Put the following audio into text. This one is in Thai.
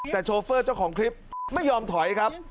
แต่โชเฟอร์เจ้าของคลิปไม่ยอมถอยครับ